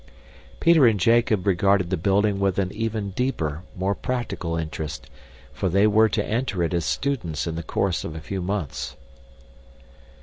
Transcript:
Peter and Jacob regarded the building with an even deeper, more practical interest, for they were to enter it as students in the course of a few months.